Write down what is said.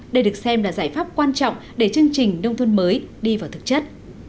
đây được xem là giải pháp quan trọng để chương trình nông thôn mới đi vào thực chất